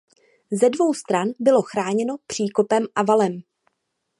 Ze dvou stran bylo chráněno příkopem a valem.